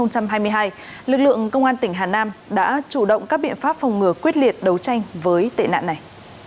thượng công an tỉnh hà nam đã chủ động các biện pháp phòng ngừa quyết liệt đấu tranh với tệ nạn này